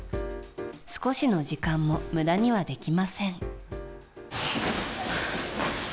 少しの時間も無駄にはできません。